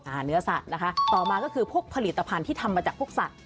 เนื้อสัตว์นะคะต่อมาก็คือพวกผลิตภัณฑ์ที่ทำมาจากพวกสัตว